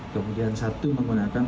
kemudian satu menggunakan